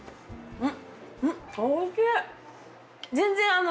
うん！